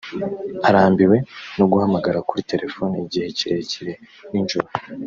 arambiwe no guhamagara kuri terefone igihe kirekire ninjoro